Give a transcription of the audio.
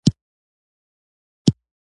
هلته یې په افشنه کلي کې ستاره نومې ښځه نکاح کړه.